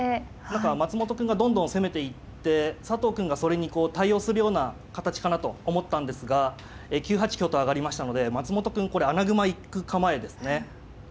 何か松本くんがどんどん攻めていって佐藤くんがそれにこう対応するような形かなと思ったんですが９八香と上がりましたので松本くんこれ穴熊行く構えですね。